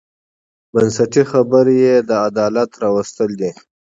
بنسټي خبره یې د عدالت راوستل دي.